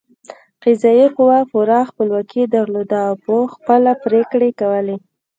قضايي قوه پوره خپلواکي درلوده او په خپله پرېکړې کولې.